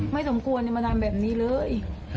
สมควรจะมาทำแบบนี้เลย